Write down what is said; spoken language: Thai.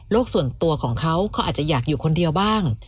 ส่วนตัวของเขาเขาอาจจะอยากอยู่คนเดียวบ้าง